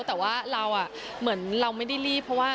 แต่ว่าเราเหมือนเราไม่ได้รีบเพราะว่า